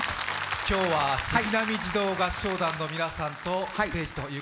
今日は杉並児童合唱団の皆さんと一緒のステージです。